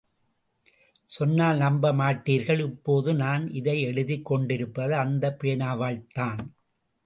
சொன்னால் நம்ப மாட்டீர்கள் இப்போது நான் இதை எழுதிக் கொண்டிருப்பது அந்தப் பேனாவால்தான்!